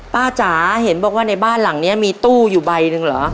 จ๋าเห็นบอกว่าในบ้านหลังนี้มีตู้อยู่ใบหนึ่งเหรอ